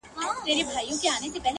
• په همدې خاوري دښتوکي -